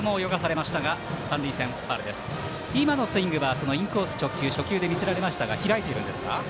今のスイングはインコース直球初球で見せられましたが開いていますか？